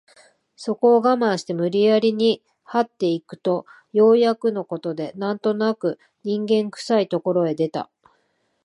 そこを我慢して無理やりに這って行くとようやくの事で何となく人間臭い所へ出た